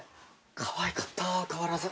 かわいかった変わらず。